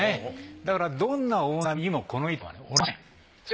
だからどんな大波にもこの板は折れません。